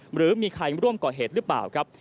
หรือมีใครร่วมก่อเหตุหรือเปล่าครับ